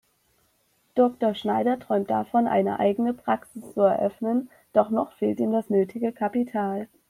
Dr. Schneider träumt davon, eine eigene Praxis zu eröffnen, doch noch fehlt ihm das nötige Kapital.